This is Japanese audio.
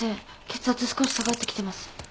血圧少し下がってきてます。